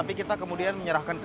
pertama di jokowi